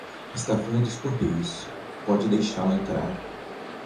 Esta van é dos correios. Pode deixá-la entrar.